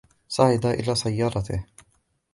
صعد إلى سيارته.